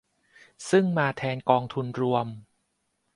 ซึ่งมาแทนกองทุนรวม